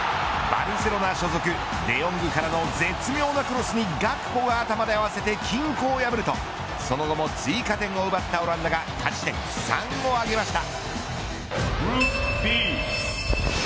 バルセロナ所属デヨングからの絶妙なクロスにガクポが頭で合わせて均衡を破るとその後も追加点を奪ったオランダが勝ち点３を挙げました。